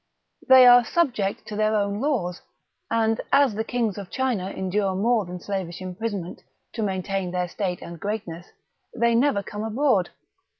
They are subject to their own laws, and as the kings of China endure more than slavish imprisonment, to maintain their state and greatness, they never come abroad.